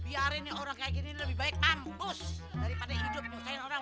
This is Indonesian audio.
biarin orang kayak gini lebih baik kampus daripada hidup nusain orang